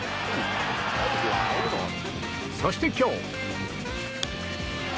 そして、今日。